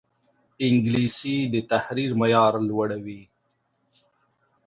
انګلیسي د تحریر معیار لوړوي